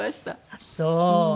ああそう。